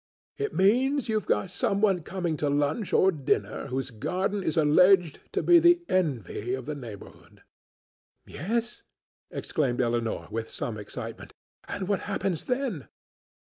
It means you've got some one coming to lunch or dinner whose garden is alleged to be 'the envy of the neighbourhood.'" "Yes," exclaimed Elinor, with some excitement, "and what happens then?"